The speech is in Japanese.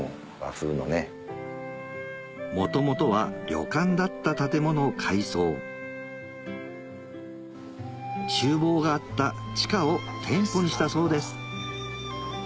元々は旅館だった建物を改装厨房があった地下を店舗にしたそうです